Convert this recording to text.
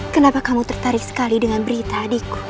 kenapa kamu tertarik sekali dengan berita adikku